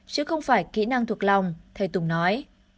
chứ không phải kỹ năng thuộc lòng thầy tùng nói